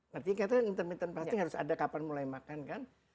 berarti katanya intermittent fasting harus ada kapan mulai makan kan